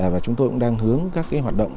và chúng tôi cũng đang hướng các hoạt động